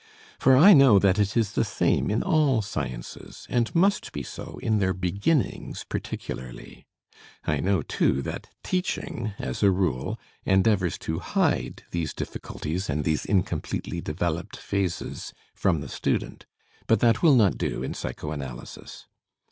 For I know that it is the same in all sciences, and must be so in their beginnings particularly. I know, too, that teaching as a rule endeavors to hide these difficulties and these incompletely developed phases from the student. But that will not do in psychoanalysis.